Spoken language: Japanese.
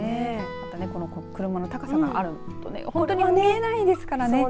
また、この車の高さがあるところ見えないですからね。